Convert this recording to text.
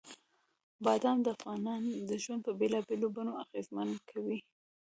بادام د افغانانو ژوند په بېلابېلو بڼو اغېزمن کوي.